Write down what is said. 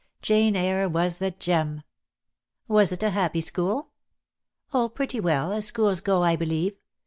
'Jane Eyre' was the gem." "Was it a happy school?" "Oh, pretty well, as schools go, I believe.